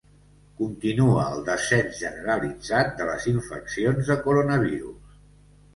Continua el descens generalitzat de les infeccions de coronavirus.